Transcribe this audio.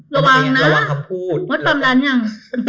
ระวังนะมดปัำดันยัง